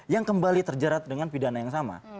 yang kembali terjerat dengan pidana yang sama